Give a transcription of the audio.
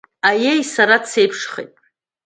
Аиеи, сара дсеиԥшхеит…